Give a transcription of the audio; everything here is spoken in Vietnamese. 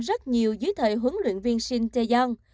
rất nhiều dưới thời huấn luyện viên shin tae yong